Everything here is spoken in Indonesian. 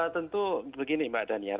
tentu begini mbak daniel